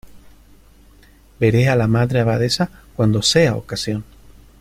veré a la Madre Abadesa cuando sea ocasión.